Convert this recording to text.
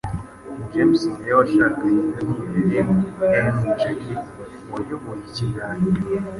James Nirere washakanye na Nirere M. Jackie wayoboye ikiganiro,